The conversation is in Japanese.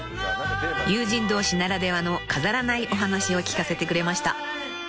［友人同士ならではの飾らないお話を聞かせてくれました］